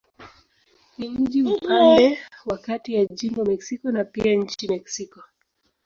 Ni mji upande wa kati ya jimbo Mexico na pia nchi Mexiko.